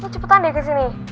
lo cepetan deh kesini